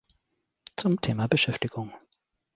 Zum Thema Beschäftigung.